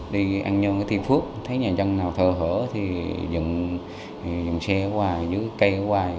đi an nhơn đến tuy phước thấy nhà dân nào thơ hở thì dựng xe ở ngoài dưới cây ở ngoài